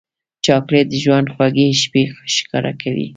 چاکلېټ د ژوند خوږې شېبې ښکاره کوي.